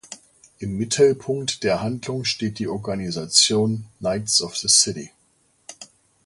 Im Mittelpunkt der Handlung steht die Organisation "Knights of the City".